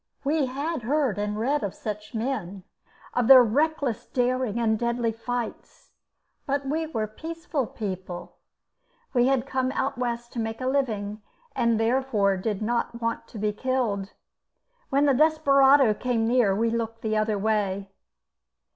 We had heard and read of such men, of their reckless daring and deadly fights; but we were peaceful people; we had come out west to make a living, and therefore did not want to be killed. When the desperado came near we looked the other way.